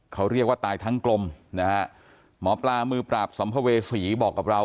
เขาเรียกว่าตายทั้งกลมนะฮะหมอปลามือปราบสัมภเวษีบอกกับเรา